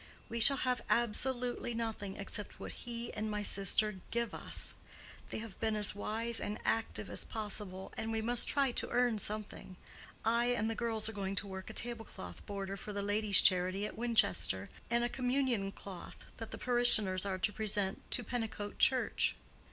We shall have absolutely nothing except what he and my sister give us. They have been as wise and active as possible, and we must try to earn something. I and the girls are going to work a table cloth border for the Ladies' Charity at Winchester, and a communion cloth that the parishioners are to present to Pennicote Church."